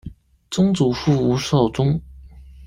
曾祖父吴绍宗。